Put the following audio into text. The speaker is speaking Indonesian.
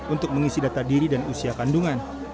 untuk mengisi data diri dan usia kandungan